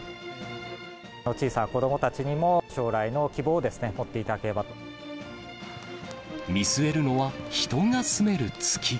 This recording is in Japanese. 小さな子どもたちにも将来の見据えるのは、人が住める月。